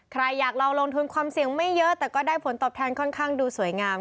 ใครอยากลองลงทุนความเสี่ยงไม่เยอะแต่ก็ได้ผลตอบแทนค่อนข้างดูสวยงาม